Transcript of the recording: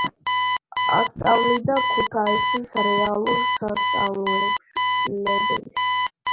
ასწავლიდა ქუთაისის რეალურ სასწავლებელში.